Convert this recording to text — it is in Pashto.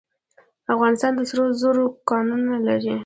افغانستان د سرو زرو کانونه لري